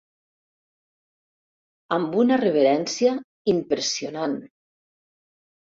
Amb una reverència impressionant.